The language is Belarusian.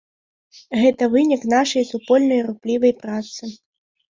Гэта вынік нашай супольнай руплівай працы.